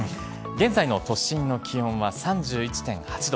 現在の都心の気温は３１．８度。